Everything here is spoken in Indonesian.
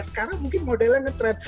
sekarang mungkin modelnya ngetren